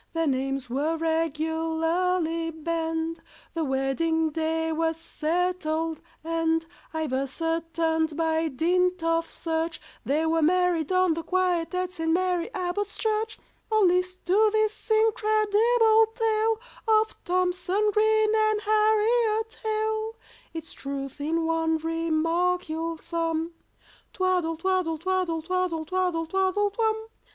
Their names were regularly banned, The wedding day was settled, and I've ascertained by dint of search They were married on the quiet at St. Mary Abbot's Church. Oh, list to this incredible tale Of THOMSON GREEN and HARRIET HALE, Its truth in one remark you'll sum— "Twaddle twaddle twaddle twaddle twaddle twaddle twum!"